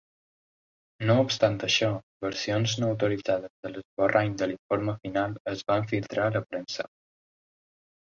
No obstant això, versions no autoritzades de l'esborrany de l'informe final es van filtrar a la premsa.